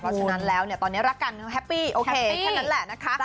เพราะฉะนั้นแล้วเนี่ยตอนนี้รักกันแฮปปี้โอเคแค่นั้นแหละนะคะ